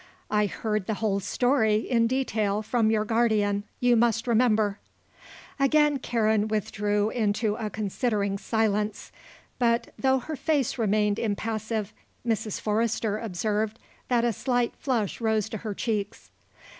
I heard the whole story, in detail, from your guardian, you must remember." Again Karen withdrew into a considering silence; but, though her face remained impassive, Mrs. Forrester observed that a slight flush rose to her cheeks.